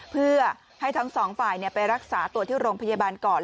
เพื่อให้ทั้งสองฝ่ายไปรักษาตัวที่โรงพยาบาลก่อน